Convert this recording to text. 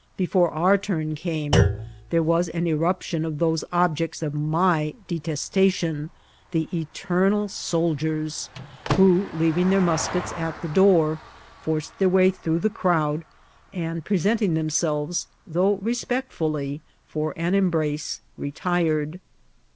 Before our turn came there was an irruption of those objects of my detestation, the eternal soldiers, who, leaving their TBI VARBWKLL OV THE MVV. 98$ mnskelfi at the door, farced dieir way through the crowd, and presenting themselves, thongh respectfolly, for an embrace, retbed.